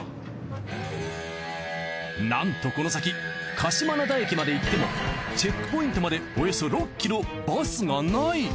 なんとこの先鹿島灘駅まで行ってもチェックポイントまでおよそ６ｋｍバスがない！